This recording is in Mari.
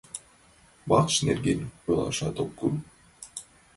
Вакш нерген ойлашат ок кӱл.